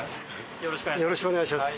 よろしくお願いします。